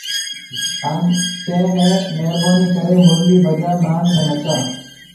ھان ڪي ھيَََ مھربوني ڪري مُرلي بجائي نانگ ني نچا